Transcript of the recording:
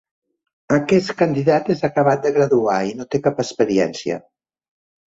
Aquest candidat és acabat de graduar i no té cap experiència.